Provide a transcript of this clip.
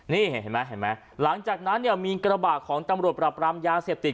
นี่หลังจากนั้นมีกระบาดของตำรวจปรับรามยาเสพติด